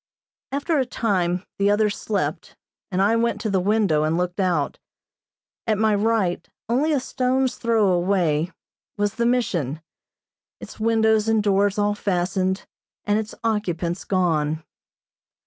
After a time the others slept and I went to the window and looked out. At my right, only a stone's throw away, was the Mission, its windows and doors all fastened, and its occupants gone.